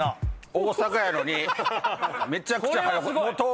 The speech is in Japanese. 大阪やのにめちゃくちゃ早く。